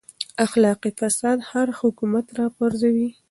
اخلاقي فساد هر حکومت راپرځوي.